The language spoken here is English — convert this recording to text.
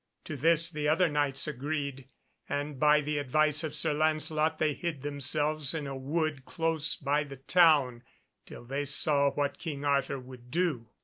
To this the other Knights agreed, and by the advice of Sir Lancelot they hid themselves in a wood close by the town till they saw what King Arthur would do.